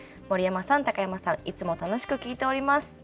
「森山さん高山さんいつも楽しく聴いております」。